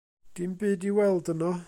Dim byd i'w weld yno.